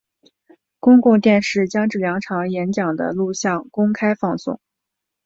公共电视将这两场演讲的录影公开放送。